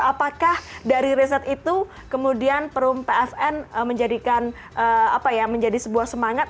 apakah dari riset itu kemudian perum pfn menjadikan apa ya menjadi sebuah semangat